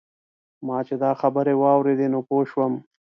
ما چې دا خبرې واورېدې نو پوی شوم.